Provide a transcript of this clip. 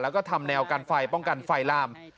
แล้วก็ทำแนวกันไฟป้องกันไฟลาม